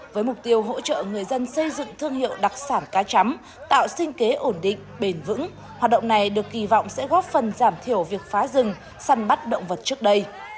với mục tiêu hỗ trợ người dân xây dựng thương hiệu đặc sản cá chắm tạo sinh kế ổn định bền vững hoạt động này được kỳ vọng sẽ góp phần giảm thiểu việc phá rừng săn bắt động vật trước đây